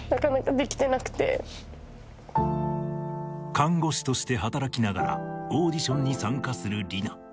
看護師として働きながらオーディションに参加する梨菜